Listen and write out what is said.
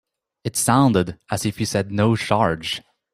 It sounded as if you said no charge.